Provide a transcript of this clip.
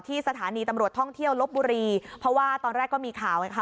สถานีตำรวจท่องเที่ยวลบบุรีเพราะว่าตอนแรกก็มีข่าวไงคะ